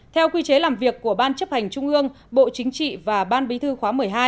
theo quy chế làm việc của ban chấp hành trung ương bộ chính trị và ban bí thư khóa một mươi hai